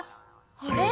あれ？